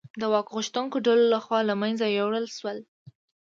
د واک غوښتونکو ډلو لخوا له منځه یووړل شول.